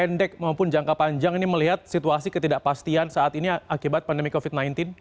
pendek maupun jangka panjang ini melihat situasi ketidakpastian saat ini akibat pandemi covid sembilan belas